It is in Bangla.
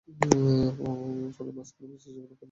ফলে মাঝখানে বৃষ্টির পানি জমে তৈরি হওয়া কাদা সড়কে চলে এসেছে।